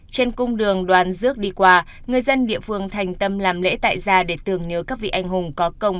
trên cung đường đoàn rước đi qua người dân địa phương thành tâm làm lễ tại ra để tưởng nhớ các vị anh hùng có công